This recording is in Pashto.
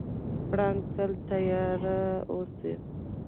پړانګ تل تیار اوسي.